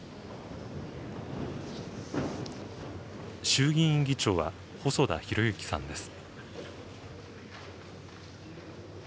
衆議院議長は細田博之さんです。